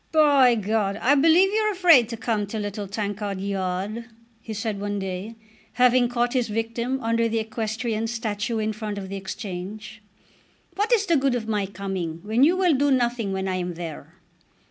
"By G , I believe you're afraid to come to Little Tankard Yard," he said one day, having caught his victim under the equestrian statue in front of the Exchange. "What is the good of my coming when you will do nothing when I am there?"